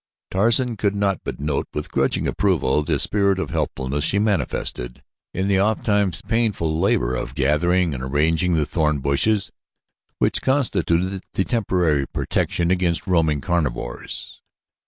Tarzan could not but note with grudging approval the spirit of helpfulness she manifested in the oft times painful labor of gathering and arranging the thorn bushes which constituted the temporary protection against roaming carnivores.